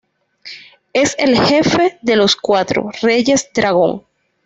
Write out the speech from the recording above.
Es el jefe de los cuatro "Reyes Dragón".